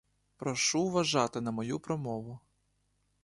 Прошу вважати на мою промову!